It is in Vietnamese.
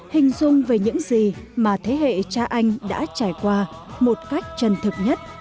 hình dung về những gì mà thế hệ cha anh đã trải qua một cách chân thực nhất